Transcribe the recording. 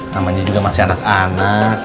namanya juga masih anak anak